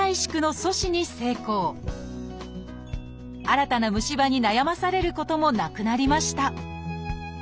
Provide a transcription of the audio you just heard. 新たな虫歯に悩まされることもなくなりました